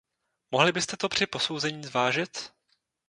Mohli byste to při posouzení zvážit?